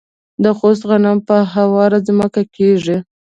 د خوست غنم په هواره ځمکه کیږي.